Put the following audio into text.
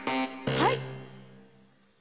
はい！